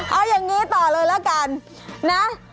เอาอย่างนี้ต่อเลยละกันนะ